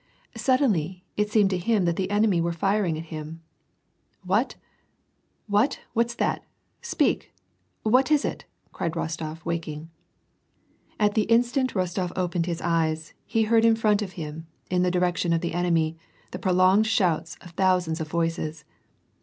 Suddenly, it seemed to him that the enemy were firing at him. "What? What, what's that; speak! what is it? "cried Rostof, waking. At the instant Rostof opened his eyes, he heard in front of him, in the direction of the enemy, the prolonged shouts of thousands of voices.